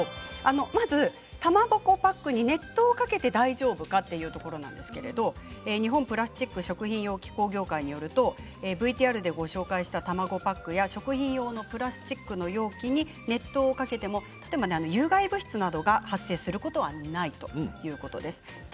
まず卵パックに熱湯をかけて大丈夫かというところなんですが日本プラスチック食品容器工業会によるとＶＴＲでご紹介したような卵パックや食品用のプラスチックの容器に熱湯をかけても有害物質などが発生することはないということです。